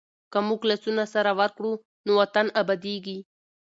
که موږ لاسونه سره ورکړو نو وطن ابادېږي.